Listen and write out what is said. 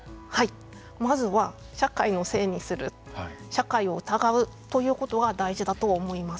まずは社会のせいにする社会を疑うということが大事だと思います。